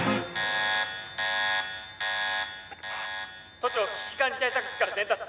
都庁危機管理対策室から伝達